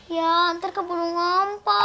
ya ntar keburu ngampak